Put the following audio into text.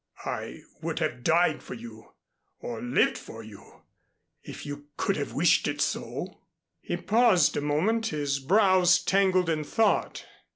I would have died for you or lived for you, if you could have wished it so." He paused a moment, his brows tangled in thought.